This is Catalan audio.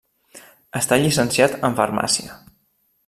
Està llicenciat en farmàcia.